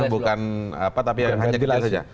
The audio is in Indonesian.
bukan apa tapi hanya delay saja